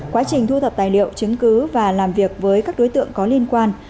quá trình thu thập tài liệu chứng cứ và làm việc với các đối tượng có liên quan